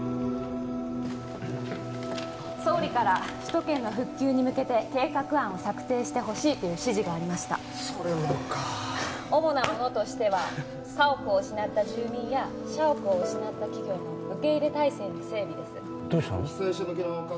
総理から首都圏の復旧に向けて計画案を策定してほしいという指示がありましたそれもか主なものとしては家屋を失った住民や社屋を失った企業の受け入れ態勢の整備ですどうしたの？